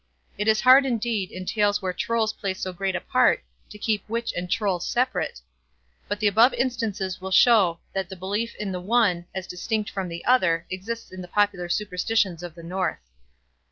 It is hard, indeed, in tales where Trolls play so great a part, to keep witch and Troll separate; but the above instances will show that the belief in the one, as distinct from the other, exists in the popular superstitions of the North.